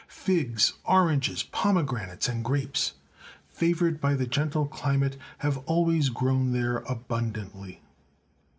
Figs, oranges, pomegranates, and grapes, favoured by the gentle climate, have always grown there abundantly.